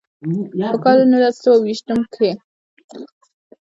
پۀ کال نولس سوه ويشتم کښې